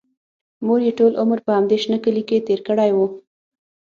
مور یې ټول عمر په همدې شنه کلي کې تېر کړی و